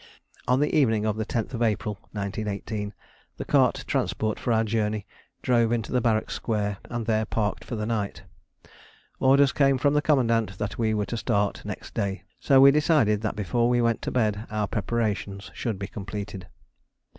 On the evening of the 10th April 1918 the cart transport for our journey drove into the barrack square and there parked for the night. Orders came from the commandant that we were to start next day, so we decided that before we went to bed our preparations should be completed.